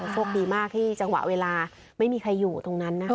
โชคดีมากที่จังหวะเวลาไม่มีใครอยู่ตรงนั้นนะคะ